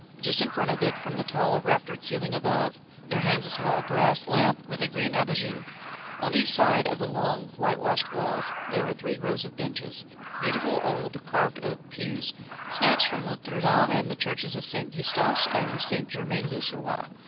Just in front of it, from the tall, raftered ceiling above, there hangs a small brass lamp, with a green abat jour. Each side of the long, whitewashed walls there are three rows of benches, beautiful old carved oak pews, snatched from Notre Dame and from the Churches of St Eustache and St Germain l'Auxerrois.